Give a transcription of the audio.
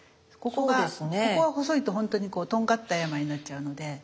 ここが細いと本当にこうとんがった山になっちゃうので。